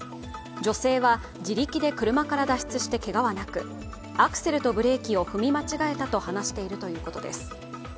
女性は自力で車から脱出してけがはなく、アクセルとブレーキを踏み違えたと話しているということです。